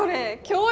今日